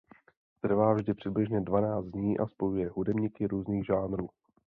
Trvá vždy přibližně dvanáct dní a spojuje hudebníky různých žánrů.